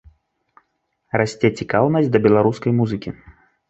Расце цікаўнасць да беларускай музыкі.